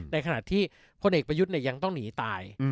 ในขณะที่พลเอกประยุทธ์ยังต้องหนีตาย